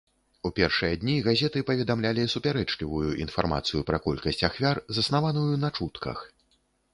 У першыя дні газеты паведамлялі супярэчлівую інфармацыю пра колькасць ахвяр, заснаваную на чутках.